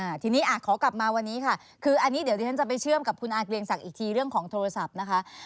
ทีนี้อ่ะขอกลับมาวันนี้ค่ะคืออันนี้เดี๋ยวที่ฉันจะไปเชื่อมกับคุณอาเกรียงศักดิ์อีกทีเรื่องของโทรศัพท์นะคะ